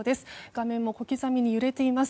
画面も小刻みに揺れています。